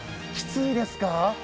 きついですか？